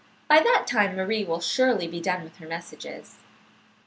"By that time Marie will surely be done with her messages."